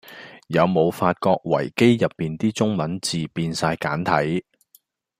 有無發覺維基入面啲中文字變哂簡體?